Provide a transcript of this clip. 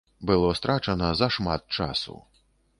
Было страчана зашмат часу.